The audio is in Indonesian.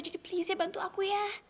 jadi tolong ya bantu aku ya